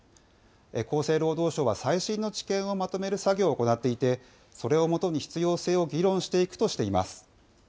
厚生労働省は最新の知見をまとめる作業を行っていて、それをもとに必要性を議論していくとしています。